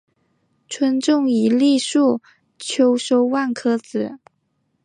春种一粒粟，秋收万颗子。